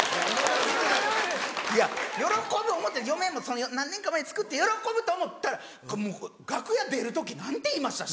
喜ぶ思って嫁も何年か前に作って喜ぶと思ったら楽屋出る時何て言いました？